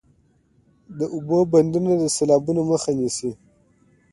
د اوبو بندونه د سیلابونو مخه نیسي